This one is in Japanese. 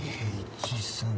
１・３。